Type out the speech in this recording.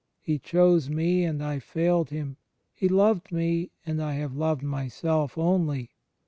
He chose me, and I failed Him. He loved me, and I have loved myself only.